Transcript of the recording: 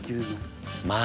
まあ！